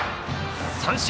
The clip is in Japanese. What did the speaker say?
三振。